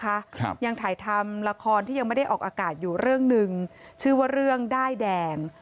ครับยังถ่ายทำละครที่ยังไม่ได้ออกอากาศอยู่เรื่องหนึ่งชื่อว่าเรื่องด้ายแดง